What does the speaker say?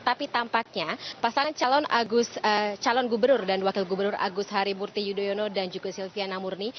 tapi tampaknya pasangan calon gubernur dan wakil gubernur agus harimurti yudhoyono dan juga silviana murni